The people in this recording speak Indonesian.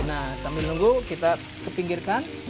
nah sambil nunggu kita kepinggirkan